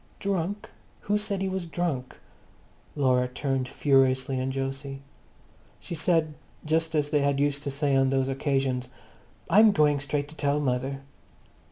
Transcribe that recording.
"Drunk! Who said he was drunk?" Laura turned furiously on Jose. She said, just as they had used to say on those occasions, "I'm going straight up to tell mother."